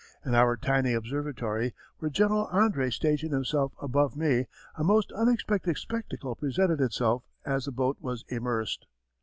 In our tiny observatory, where General André stationed himself above me, a most unexpected spectacle presented itself as the boat was immersed.